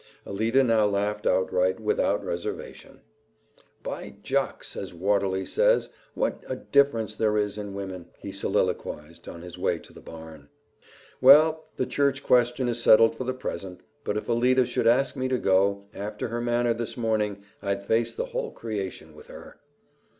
Alida now laughed outright, without reservation. "'By jocks!' as Watterly says, what a difference there is in women!" he soliloquized on his way to the barn. "Well, the church question is settled for the present, but if Alida should ask me to go, after her manner this morning, I'd face the whole creation with her."